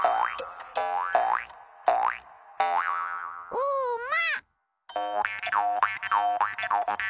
うま！